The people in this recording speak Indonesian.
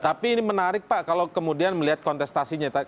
tapi ini menarik pak kalau kemudian melihat kontestasinya